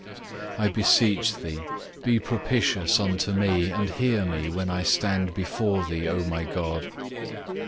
I beseech Thee, be propitious unto me and hear me, when I stand before Thee, O my God.